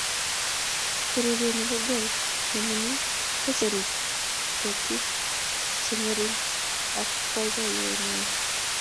Urerie ne golf ne mining kocheruu kertaik che ngering ak boiboyee ne oo.